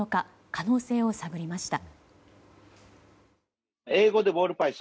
可能性を探りました。